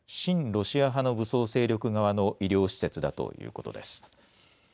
ロシア派の武装勢力側の医療施設だということです。